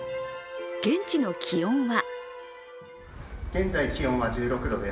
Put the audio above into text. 現地の気温は？